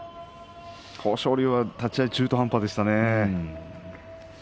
豊昇龍は立ち合いが中途半端でしたね。